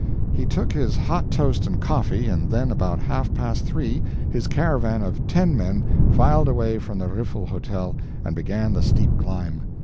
He took his hot toast and coffee, and then about half past three his caravan of ten men filed away from the Riffel Hotel, and began the steep climb.